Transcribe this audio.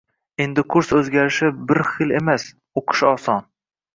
Endi kurs o'zgarishi bir xil emas, o'qish oson